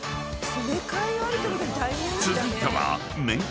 ［続いては］